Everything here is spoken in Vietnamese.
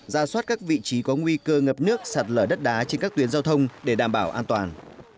ra soát các vị trí có nguy cơ ngập nước sạt lở đất đá trên các tuyến giao thông để đảm bảo an toàn